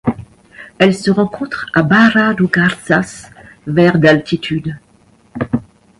Elle se rencontre à Barra do Garças vers d'altitude.